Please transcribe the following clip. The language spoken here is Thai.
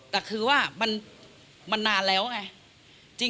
แต่คือว่ามันนานแล้วไง